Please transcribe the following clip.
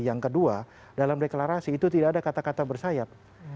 yang kedua dalam deklarasi itu tidak ada kata kata bersayap